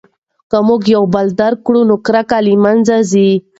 که موږ یو بل درک کړو نو کرکه له منځه ځي.